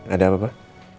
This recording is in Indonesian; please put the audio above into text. ada apa pak